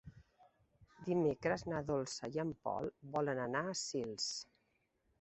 Dimecres na Dolça i en Pol volen anar a Sils.